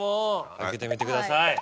開けてみてください。